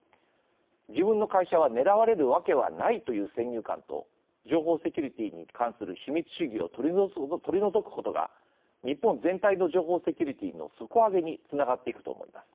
自分の会社はねらわれるわけはないという先入観と情報セキュリティーに関する秘密主義を取り除くことが日本全体の情報セキュリティーの底上げにつながっていくと思います。